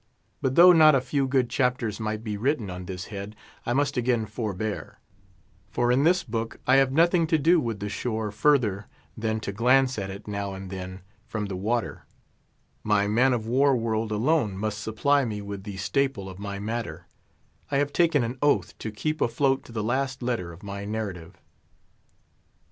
But, though not a few good chapters might be written on this head, I must again forbear; for in this book I have nothing to do with the shore further than to glance at it, now and then, from the water; my man of war world alone must supply me with the staple of my matter; I have taken an oath to keep afloat to the last letter of my narrative.